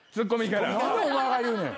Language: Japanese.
何でお前が言うねん。